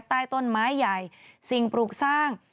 ใต้ต้นไม้ใหญ่สิ่งปลูกสร้าง